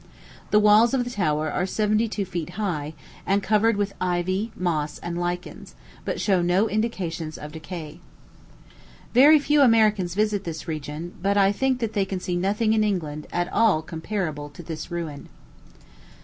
The walls of the tower are seventy two feet high, and covered with ivy, moss, and lichens, but show no indications of decay. Very few Americans visit this region; but I think that they can see nothing in England at all comparable to this ruin.